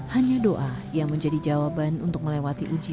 hanya doa yang menjadi jawaban untuk melewati ujian